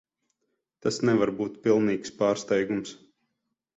Tas tev nevar būt pilnīgs pārsteigums.